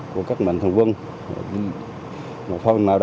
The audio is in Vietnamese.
của các mạnh thường quân